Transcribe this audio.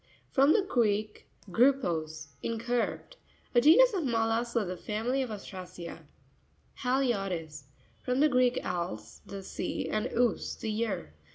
—From the Greek, gru pos, incurved. A genus of mol lusks of the family of Ostracea (page 73). Ha'tioris.—From the Greek, als, the sea, and ous, the ear.